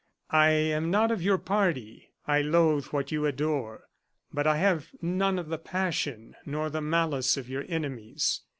I am not of your party; I loathe what you adore; but I have none of the passion nor the malice of your enemies.